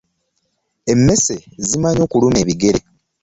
Emmese zimanyi okuluma ebigere.